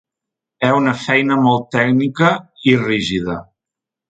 És una feina molt tècnica, i rígida.